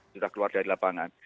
sudah keluar dari lapangan